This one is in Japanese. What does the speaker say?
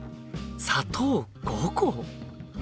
砂糖５個！